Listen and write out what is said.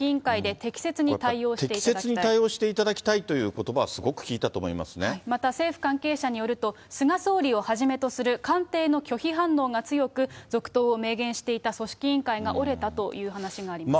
適切に対応していただきたいということばはすごく効いたと思また、政府関係者によると、菅総理をはじめとする官邸の拒否反応が強く、続投を明言していた組織委員会が折れたという話があります。